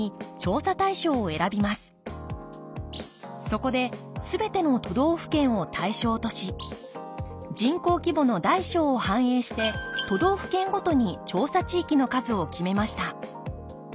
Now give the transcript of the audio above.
そこで全ての都道府県を対象とし人口規模の大小を反映して都道府県ごとに調査地域の数を決めました。